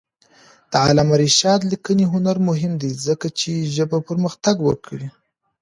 د علامه رشاد لیکنی هنر مهم دی ځکه چې ژبه پرمختګ ورکوي.